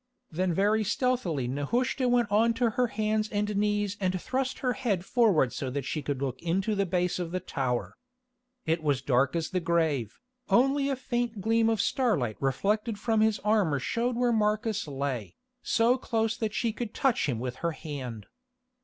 Then very stealthily Nehushta went on to her hands and knees and thrust her head forward so that she could look into the base of the tower. It was dark as the grave, only a faint gleam of starlight reflected from his armour showed where Marcus lay, so close that she could touch him with her hand.